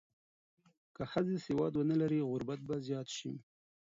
که ښځې سواد ونه لري، غربت به زیات شي.